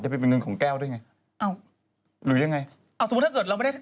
ไปเป็นเงินของแก้วด้วยไงอ้าวหรือยังไงเอาสมมุติถ้าเกิดเราไม่ได้